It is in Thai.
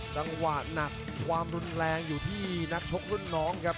จังหวะหนักความรุนแรงอยู่ที่นักชกรุ่นน้องครับ